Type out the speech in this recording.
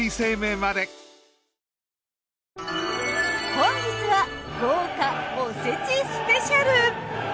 本日は豪華おせちスペシャル！